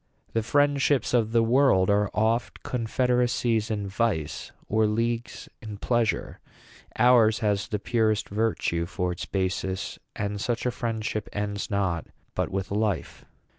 'The friendships of the world are oft Confed'racies in vice, or leagues in pleasure: Ours has the purest virtue for its basis; And such a friendship ends not but with life.'